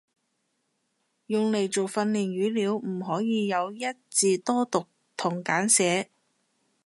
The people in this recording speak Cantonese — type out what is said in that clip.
用嚟做訓練語料唔可以有一字多讀同簡寫